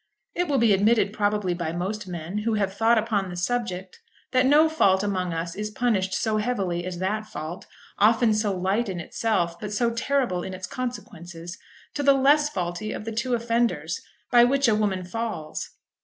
It will be admitted probably by most men who have thought upon the subject that no fault among us is punished so heavily as that fault, often so light in itself but so terrible in its consequences to the less faulty of the two offenders, by which a woman falls.